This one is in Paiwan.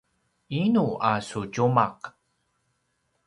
inu a su tjumaq?